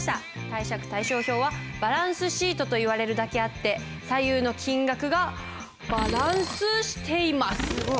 貸借対照表はバランスシートといわれるだけあって左右の金額がバランスしています。